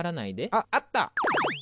あっあった！